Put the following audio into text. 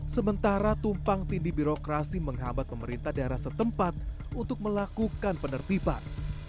sementara tumpang tindih birokrasi menghambat pemerintah daerah setempat untuk melakukan penertiban